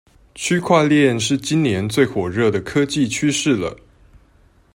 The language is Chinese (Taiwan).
區塊鏈是今年最火熱的科技趨勢了